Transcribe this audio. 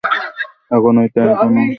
এখন হইতে আর কোনো কাজে মনঃসংযোগ করিতে পারি না।